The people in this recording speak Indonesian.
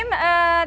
terima kasih coach